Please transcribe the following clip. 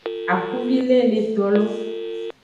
Akuvi le enetolo.